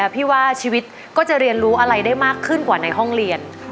พี่ว่าชีวิตก็จะเรียนรู้อะไรได้มากขึ้นกว่าในห้องเรียน